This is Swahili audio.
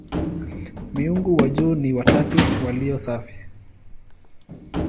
Miungu wa juu ni "watatu walio safi".